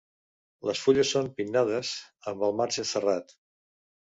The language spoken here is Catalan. Les fulles són pinnades amb el marge serrat.